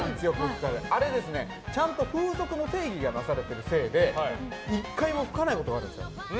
あれ、ちゃんと風速の定義がなされているせいで１回も吹かないことがあるんですよ。